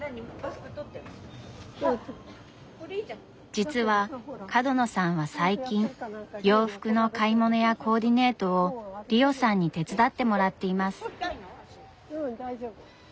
実は角野さんは最近洋服の買い物やコーディネートをリオさんに手伝ってもらっています。